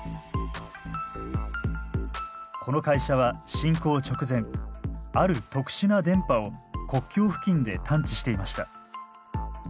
この会社は侵攻直前ある特殊な電波を国境付近で探知していました。